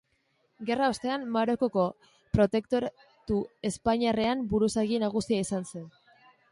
Gerra ostean, Marokoko Protektoratu Espainiarrean buruzagi nagusia izan zen.